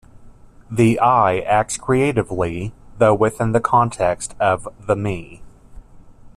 The "I" acts creatively, though within the context of the "me".